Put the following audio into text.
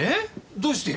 どうしてよ。